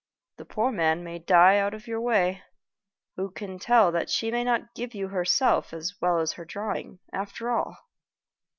The poor man may die out of your way. Who can tell that she may not give you herself as well as her drawing, after all?"